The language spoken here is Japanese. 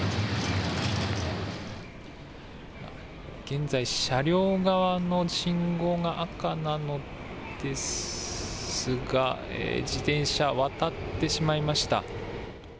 現在、車両側の信号が赤なのですが自転車、渡ってしまいました。